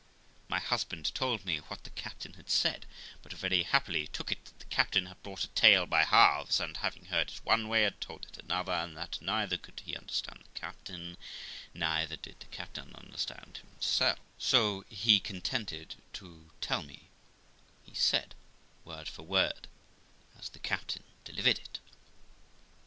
My husband told me what the captain had said, but very happily took it that the captain had brought a tale by halves, and, having heard it one way, had told it another; and that neither could he understand the captain, neither did the captain understand himself, so he contented himself to tell me, he said, word for word, as the captain delivered it.